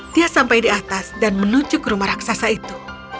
dia sampai di atas dan menuju ke rumah raksasa itu